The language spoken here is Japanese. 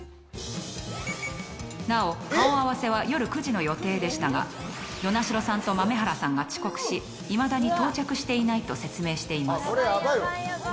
なお顔合わせは夜９時の予定でしたが與那城さんと豆原さんが遅刻しいまだに到着していないと説明しています。